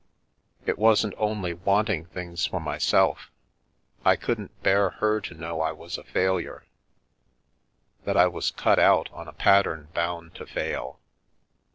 It wasn't only wanting things for myself. I couldn't bear her to know I was a failure — that I was cut out on a pattern bound to fail.